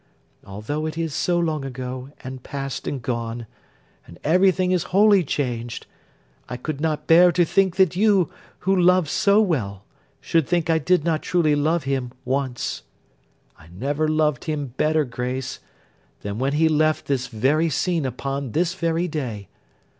Although it is so long ago, and past, and gone, and everything is wholly changed, I could not bear to think that you, who love so well, should think I did not truly love him once. I never loved him better, Grace, than when he left this very scene upon this very day.